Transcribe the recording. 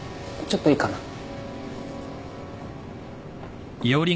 ちょっといいかな？